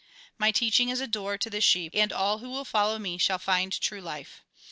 " My teaching is a door to the sheep, and all who will follow me shall find true life.